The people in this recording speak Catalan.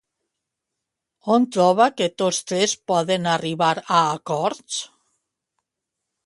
On troba que tots tres poden arribar a acords?